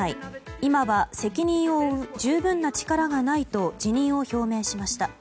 今は責任を負う十分な力がないと辞任を表明しました。